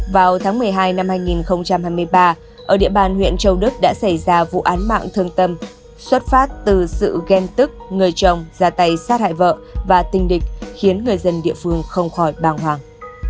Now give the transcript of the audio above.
vào tháng một mươi hai năm hai nghìn hai mươi ba ở địa bàn huyện châu đức đã xảy ra vụ án mạng thương tâm xuất phát từ sự ghen tức người chồng ra tay sát hại vợ và tình địch khiến người dân địa phương không khỏi bàng hoàng